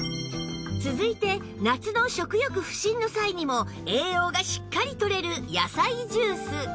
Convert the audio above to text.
続いて夏の食欲不振の際にも栄養がしっかり取れる野菜ジュース